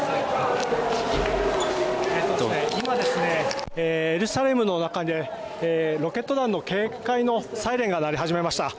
今、エルサレムの中でロケット弾の警戒のサイレンが鳴り始めました。